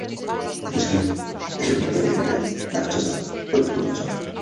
Otisky opeření byly objeveny na ocase a v okolí krku dinosaura.